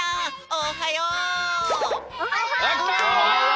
おはよう！